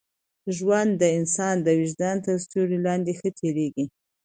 ژوند د انسان د وجدان تر سیوري لاندي ښه تېرېږي.